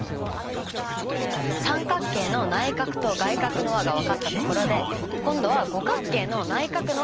三角形の内角と外角の和が分かったところで今度は五角形の内角の和を考えてみましょう。